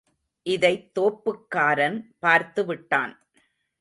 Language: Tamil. இதைத் தோப்புக்காரன் பார்த்துவிட்டான்.